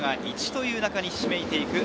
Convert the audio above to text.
１という中にひしめいています。